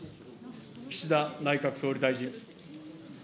岸田内閣総理大臣。